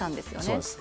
そうです。